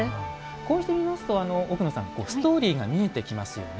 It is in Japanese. こうして見ますと奥野さんストーリーが見えてきますよね。